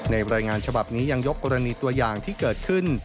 รายงานฉบับนี้ยังยกกรณีตัวอย่างที่เกิดขึ้น